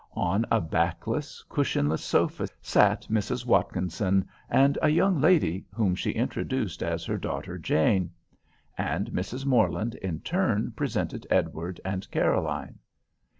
On a backless, cushionless sofa sat Mrs. Watkinson, and a young lady, whom she introduced as her daughter Jane. And Mrs. Morland in return presented Edward and Caroline.